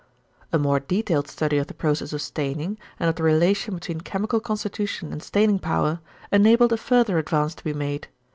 A more detailed study of the process of staining, and of the relation between chemical constitution and staining power, enabled a further advance to be made.